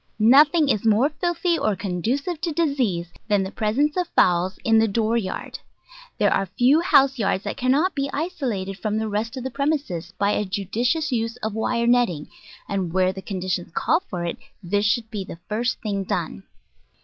Nothing is more filthy or conducive to disease than the presence of fowls in the door yard. There are few house yards that cannot be isolated from the rest of the premises by a judicious use of wire netting, and where the conditions call for it this should be the first thing done.